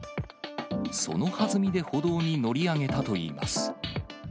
そのはずみで歩道に乗り上げたといいます。